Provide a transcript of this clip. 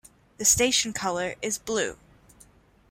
The station colour is blue.